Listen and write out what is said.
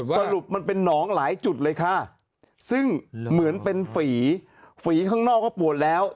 สรุปมันเป็นหนองหลายจุดเลยค่ะซึ่งเหมือนเป็นฝีฝีข้างนอกก็ปวดแล้ว